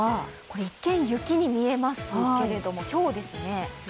一見、雪に見えますけど、ひょうですね。